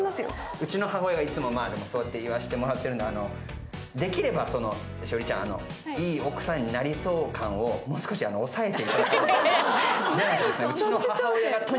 うちの母親がいつもそうやって言わせてもらってるのはできれば、栞里ちゃん、いい奥さんになりそう感をもう少し抑えて。